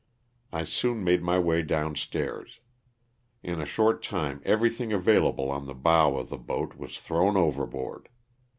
I soon made my way down stairs. In a short time everything available on the bow of the boat was thrown overboard.